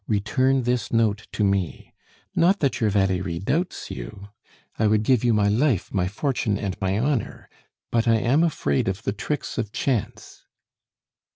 Return this note to me; not that your Valerie doubts you I would give you my life, my fortune, and my honor, but I am afraid of the tricks of chance."